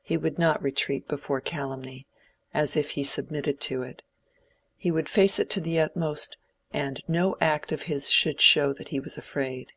He would not retreat before calumny, as if he submitted to it. He would face it to the utmost, and no act of his should show that he was afraid.